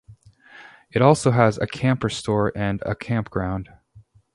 It also has a camper store and a campground.